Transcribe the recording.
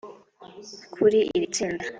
Kuri iri tsinda